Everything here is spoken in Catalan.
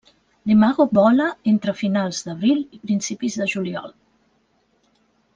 L'imago vola entre finals d'abril i principis de juliol.